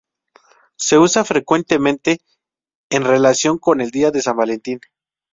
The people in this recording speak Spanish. Se usa frecuentemente en relación con el Día de San Valentín.